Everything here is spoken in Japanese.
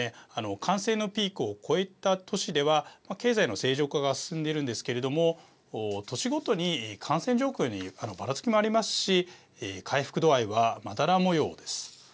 感染のピークを越えた都市では経済の正常化が進んでいるんですけれども都市ごとに感染状況にばらつきもありますし回復度合いはまだら模様です。